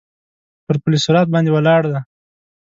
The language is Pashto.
پر پل صراط باندې ولاړ دی.